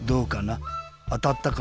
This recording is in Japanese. あたったかな？